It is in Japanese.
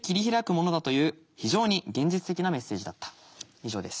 以上です。